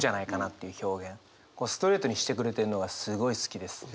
ストレートにしてくれてるのがすごい好きです。